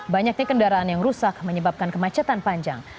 banyaknya kendaraan yang rusak menyebabkan kemacetan panjang